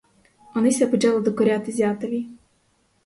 Онися почала докоряти зятеві.